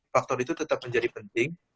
faktor itu tetap menjadi penting